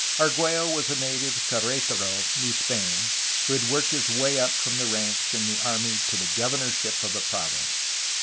Argtiello was a native of Queretaro, New Spain, who had worked his way up from the ranks in the army to the governorship of a province.